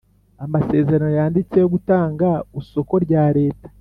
Amasezerano yanditse yo gutanga usoko rya leta